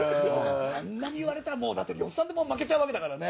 あんなに言われたらもうだって呂布さんでも負けちゃうわけだからね。